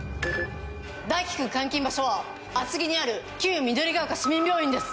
大樹君監禁場所は厚木にある旧緑ヶ丘市民病院です。